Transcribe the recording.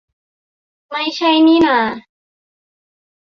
ไม่ใช่นี่นา